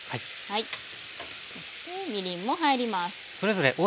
そしてみりんも入ります。